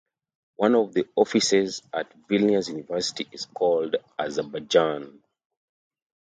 One of the offices at Vilnius University is called "Azerbaijan".